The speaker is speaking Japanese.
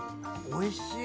おいしい